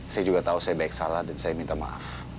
saya juga tahu saya baik salah dan saya minta maaf